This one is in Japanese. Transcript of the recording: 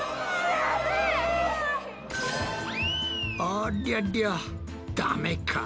ありゃりゃダメか。